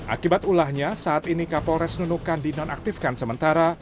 akibat ulahnya saat ini kapolres nunukan dinonaktifkan sementara